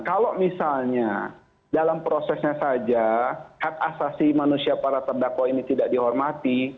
kalau misalnya dalam prosesnya saja hak asasi manusia para terdakwa ini tidak dihormati